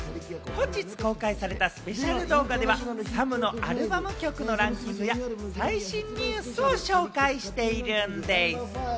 本日公開されたスペシャル動画では、サムのアルバム曲のランキングや最新ニュースを紹介しているんでぃす！